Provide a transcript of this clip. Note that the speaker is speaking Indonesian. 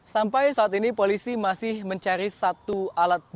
sampai saat ini polisi masih mencari satu alat bukti